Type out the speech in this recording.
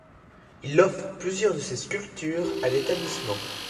Il offre plusieurs de ses sculptures à l'établissement.